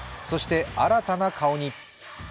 そして新たな顔に。